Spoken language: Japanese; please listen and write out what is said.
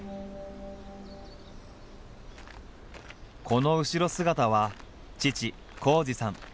この後ろ姿は父紘二さん。